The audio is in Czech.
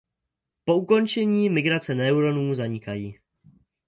Po ukončení migrace neuronů zanikají.